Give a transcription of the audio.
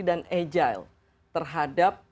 dan agile terhadap